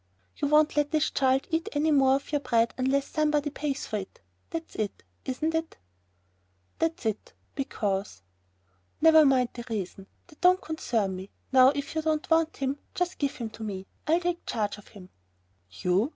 "You won't let this child eat any more of your bread unless somebody pays for it, that's it, isn't it?" "That's it ... because...." "Never mind the reason. That don't concern me. Now if you don't want him, just give him to me. I'll take charge of him." "You?